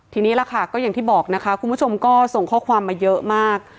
ทีนี้ล่ะค่ะก็อย่างที่บอกนะคะคุณผู้ชมก็ส่งข้อความมาเยอะมาก